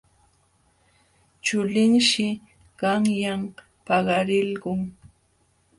Chulinshi qanyan paqarilqun.